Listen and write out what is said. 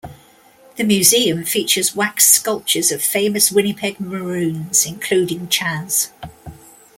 The museum features wax sculptures of famous Winnipeg Maroons, including Chas.